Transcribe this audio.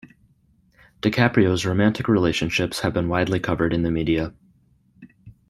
DiCaprio's romantic relationships have been widely covered in the media.